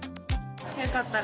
よかったら。